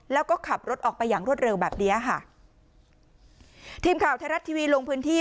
แล้วก็ขับรถออกไปอย่างรวดเร็วแบบเนี้ยค่ะทีมข่าวไทยรัฐทีวีลงพื้นที่